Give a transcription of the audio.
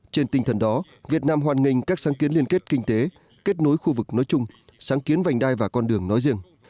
trên tinh thần đó việt nam hoàn nghênh các sáng kiến liên kết kinh tế kết nối khu vực nói chung sáng kiến vành đai và con đường nói riêng